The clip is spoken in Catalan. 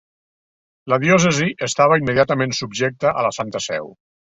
La diòcesi estava immediatament subjecta a la Santa Seu.